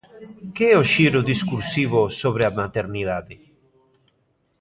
Que é o xiro discursivo sobre a maternidade?